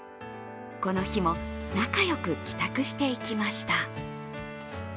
この日も仲良く帰宅していきました。